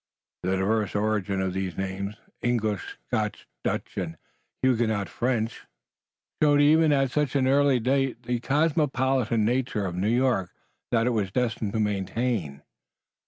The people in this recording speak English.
The diverse origin of these names, English, Scotch, Dutch and Huguenot French, showed even at such an early date the cosmopolitan nature of New York that it was destined to maintain.